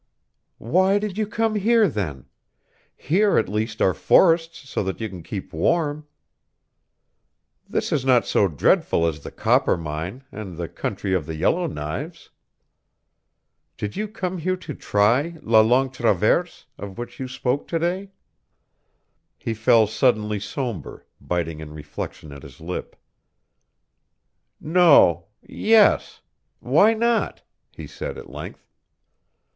"Why did you come here, then? Here at least are forests so that you can keep warm. This is not so dreadful as the Coppermine, and the country of the Yellow Knives. Did you come here to try la Longue Traverse of which you spoke to day?" He fell suddenly sombre, biting in reflection at his lip. "No yes why not?" he said, at length.